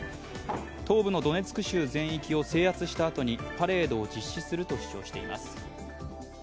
東部のドネツク州全域を制圧したあとにパレードを実施すると主張しています。